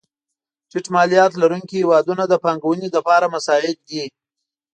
ټیټ مالیات لرونکې هېوادونه د پانګونې لپاره مساعد دي.